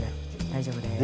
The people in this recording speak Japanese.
大丈夫です。